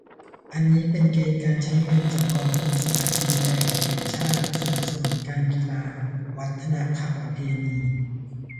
อันนี้เป็นเกณฑ์การใช้เงินจากกองทุนสลากกินแบ่งแห่งชาติ : สนับสนุนการกีฬา วัฒนธรรมประเพณี